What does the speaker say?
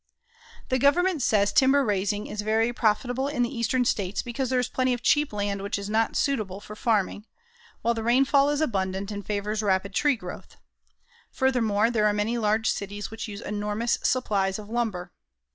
The Government says timber raising is very profitable in the Eastern States because there is plenty of cheap land which is not suitable for farming, while the rainfall is abundant and favors rapid tree growth. Furthermore, there are many large cities which use enormous supplies of lumber.